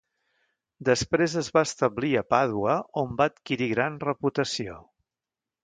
Després es va establir a Pàdua, on va adquirir gran reputació.